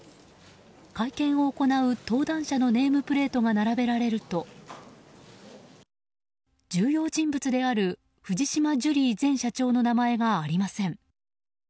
会見を行う登壇者のネームプレートが並べられると重要人物である藤島ジュリー前社長の名前がありません。